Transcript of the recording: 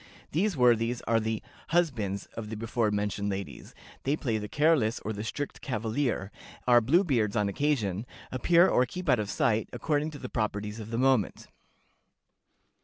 These worthies are the 'husbands' of the before mentioned ladies. They play the careless or the strict cavalier; are Blue beards on occasion; appear or keep out of sight, according to the proprieties of the moment."